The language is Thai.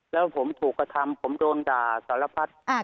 แล้วผมถูกกระทำผมโดนด่าสารพัด